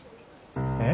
えっ？